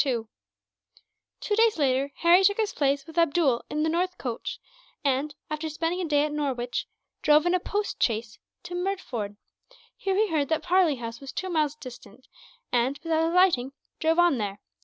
Two days later Harry took his place with Abdool on the north coach and, after spending a day at Norwich, drove in a post chaise to Merdford. Here he heard that Parley House was two miles distant and, without alighting, drove on there.